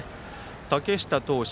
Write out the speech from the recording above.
竹下投手